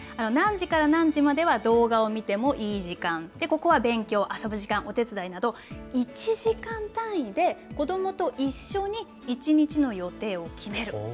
何時から何時までは動画を見てもいい時間、ここは勉強、遊ぶ時間、お手伝いなど、１時間単位で子どもと一緒に１日の予定を決める。